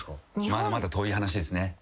まだまだ遠い話ですね。